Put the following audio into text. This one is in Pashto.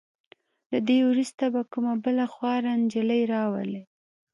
له دې وروسته به کومه بله خواره نجلې راولئ.